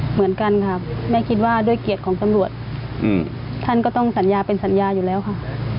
เหมือนกันค่ะแม่คิดว่าด้วยเกียรติของตำรวจท่านก็ต้องสัญญาเป็นสัญญาอยู่แล้วค่ะ